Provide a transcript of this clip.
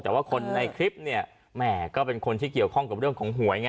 แต่ว่าคนในคลิปเนี่ยแหมก็เป็นคนที่เกี่ยวข้องกับเรื่องของหวยไง